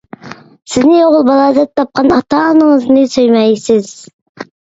سىزنى ئوغۇل بالا دەپ تاپقان ئاتا ئانىڭىزنى سۆيمەيسىز.